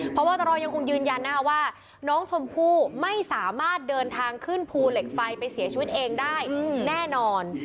เพราะว่าตรยังคงยืนยันนะคะว่าน้องชมพู่ไม่สามารถเดินทางขึ้นภูเหล็กไฟไปเสียชีวิตเองได้แน่นอน